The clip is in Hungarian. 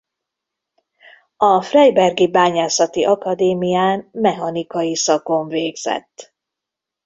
A freibergi bányászati akadémián mechanika szakon végzett.